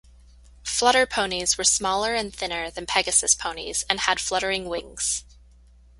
Flutter Ponies were smaller and thinner than Pegasus Ponies, and had fluttering wings.